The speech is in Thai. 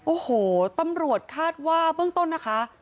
โอ้โหตำรวจคาดว่าเบื้องต้นนะคะ